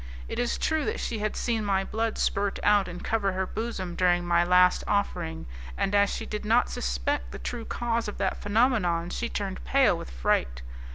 It is true that she had seen my blood spurt out and cover her bosom during my last offering; and as she did not suspect the true cause of that phenomenon, she turned pale with fright.